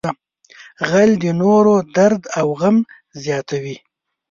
غل د نورو درد او غم زیاتوي